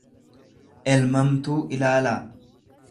elmamtuu ilaalaa.